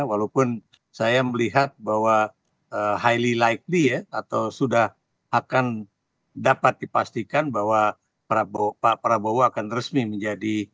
walaupun saya melihat bahwa highly likely ya atau sudah akan dapat dipastikan bahwa pak prabowo akan resmi menjadi